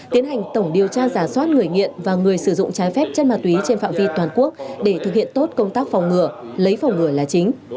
tiến hành tổng điều tra giả soát người nghiện và người sử dụng trái phép chân ma túy trên phạm vi toàn quốc để thực hiện tốt công tác phòng ngừa lấy phòng ngừa là chính